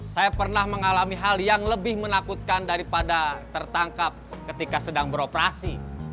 saya pernah mengalami hal yang lebih menakutkan daripada tertangkap ketika sedang beroperasi